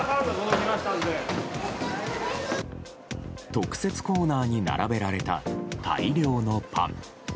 特設コーナーに並べられた大量のパン。